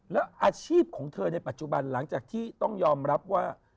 แล้วอาชีพของเธอในปัจจุบันหลังจากที่ต้องยอมรับว่า